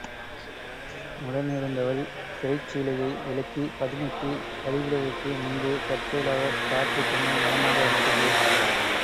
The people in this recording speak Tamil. உடனிருந்தவள் திரைச் சீலையை விலக்கிப் பதுமைக்கு வழிவிடுவதற்கு முன்பு தற்செயலாகக் காற்று கொஞ்சம் பலமாக அடித்தது.